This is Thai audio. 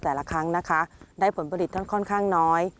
แต่ละครั้งนะคะได้ผลผลิตค่อนข้างน้อย